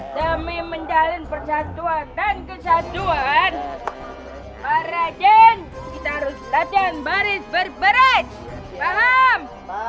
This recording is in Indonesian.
demi menjalin persatuan dan kesatuan para jin kita harus latihan baris berberet paham